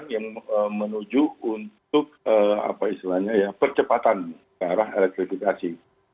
yang menuju untuk apa istilahnya ya percepatan ke arah elektrifikasi